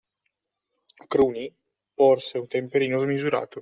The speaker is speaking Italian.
Cruni porse un temperino smisurato.